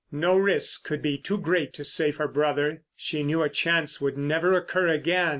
No risk could be too great to save her brother. She knew a chance would never occur again.